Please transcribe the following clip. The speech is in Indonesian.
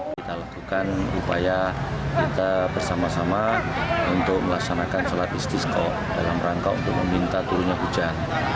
kita lakukan upaya kita bersama sama untuk melaksanakan sholat istisko dalam rangka untuk meminta turunnya hujan